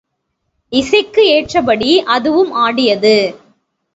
இசைக்கு ஏற்றபடி அதுவும் ஆடியது.